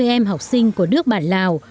hai mươi em học sinh của nước bản lào